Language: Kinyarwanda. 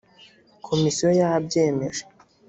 komisiyo yabyemeje